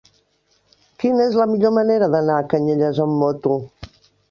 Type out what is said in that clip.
Quina és la millor manera d'anar a Canyelles amb moto?